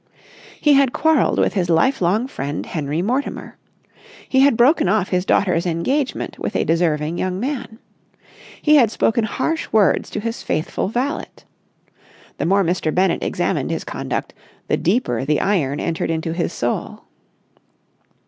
He had quarrelled with his lifelong friend, Henry Mortimer. He had broken off his daughter's engagement with a deserving young man. He had spoken harsh words to his faithful valet. The more Mr. Bennett examined his conduct, the deeper the iron entered into his soul.